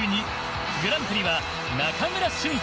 グランプリは中村俊輔。